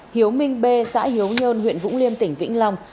hiếu minh b xã hiếu nhơn huyện vũng liêm tỉnh vĩnh long